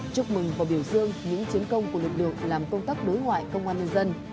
chúc mừng và biểu dương những chiến công của lực lượng làm công tác đối ngoại công an nhân dân